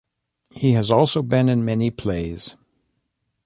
He has also been in many plays.